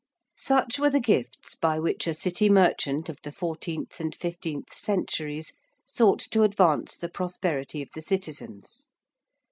Such were the gifts by which a City merchant of the fourteenth and fifteenth centuries sought to advance the prosperity of the citizens.